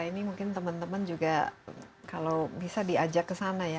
ini mungkin teman teman juga kalau bisa diajak ke sana ya